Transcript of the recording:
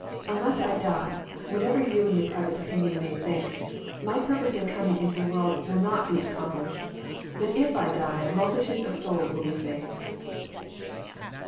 *' Unless I die, whatever you in your private opinion may think, my purpose in coming into the world will not be accom plished. But if I die, multitudes of souls will be saved."